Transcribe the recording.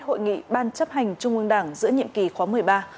hội nghị ban chấp hành trung ương đảng giữa nhiệm kỳ khóa một mươi ba